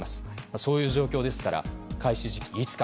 そういう状況ですから開始時期がいつか。